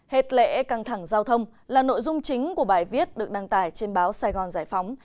hết lễ căng thẳng giao thông là nội dung chính của bài viết được đăng tải trên báo sài gòn giải phóng